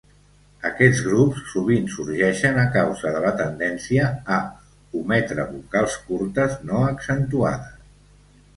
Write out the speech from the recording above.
Aquests grups sovint sorgeixen a causa de la tendència a ometre vocals curtes no accentuades.